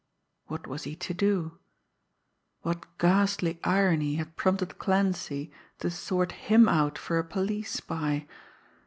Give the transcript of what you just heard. What was he to do? What ghastly irony had prompted Clancy to sort him out for a police spy?